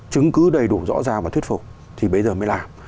chứng cứ đầy đủ rõ ràng và thuyết phục thì bây giờ mới làm